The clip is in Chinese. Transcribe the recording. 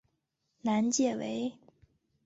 南界为。